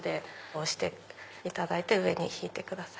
押していただいて上に引いてください。